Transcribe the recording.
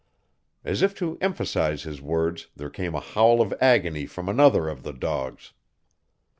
As if to emphasize his words there came a howl of agony from another of the dogs.